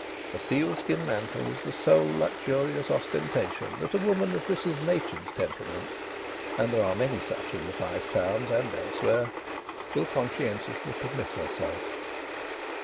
A sealskin mantle is the sole luxurious ostentation that a woman of Mrs Machin's temperament and there are many such in the Five Towns and elsewhere will conscientiously permit herself.